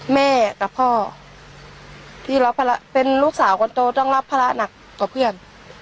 แม่กับพ่อที่รับภาระเป็นลูกสาวคนโตต้องรับภาระหนักกว่าเพื่อน